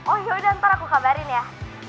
oh yaudah ntar aku kabarin ya